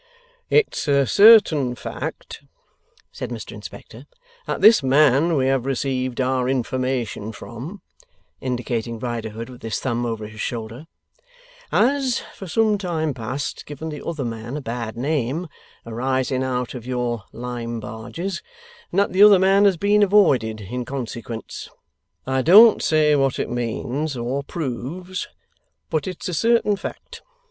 'It's a certain fact,' said Mr Inspector, 'that this man we have received our information from,' indicating Riderhood with his thumb over his shoulder, 'has for some time past given the other man a bad name arising out of your lime barges, and that the other man has been avoided in consequence. I don't say what it means or proves, but it's a certain fact.